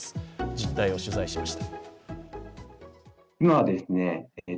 実態を取材しました。